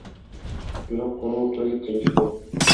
Бирок куру кол келишти.